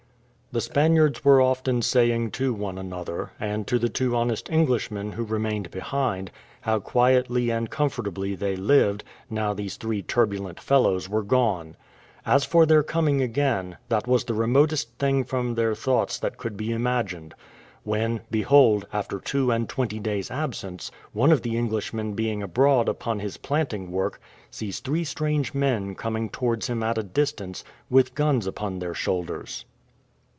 The Spaniards were often saying to one another, and to the two honest Englishmen who remained behind, how quietly and comfortably they lived, now these three turbulent fellows were gone. As for their coming again, that was the remotest thing from their thoughts that could be imagined; when, behold, after two and twenty days' absence, one of the Englishmen being abroad upon his planting work, sees three strange men coming towards him at a distance, with guns upon their shoulders.